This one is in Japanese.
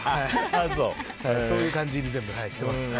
そういう感じにしてます。